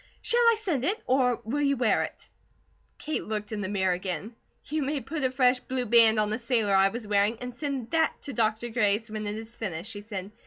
Shall I send it, or will you wear it?" Kate looked in the mirror again. "You may put a fresh blue band on the sailor I was wearing, and send that to Dr. Gray's when it is finished," she said.